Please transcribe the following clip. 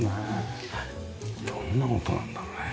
どんな音なんだろうね。